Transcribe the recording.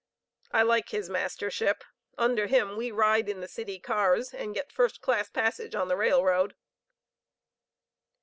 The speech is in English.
I like his Mastership. Under him we ride in the City Cars, and get first class passage on the railroad."